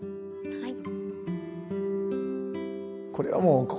はい。